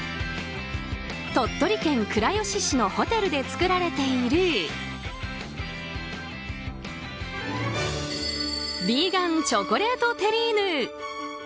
鳥取県倉吉市のホテルで作られているヴィーガンチョコレートテリーヌ。